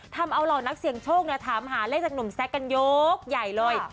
ทำเอาเหล่านักเสี่ยงโชคถามหาเลขจากหนุ่มแซคกันยกใหญ่เลย